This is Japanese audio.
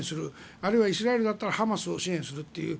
あるいはイスラエルだったらハマスを支援するという。